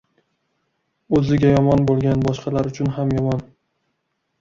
• O‘ziga yomon bo‘lgan boshqalar uchun ham yomon.